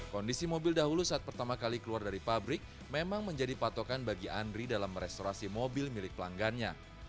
kondisi mobil dahulu saat pertama kali keluar dari pabrik memang menjadi patokan bagi andri dalam merestorasi mobil milik pelanggannya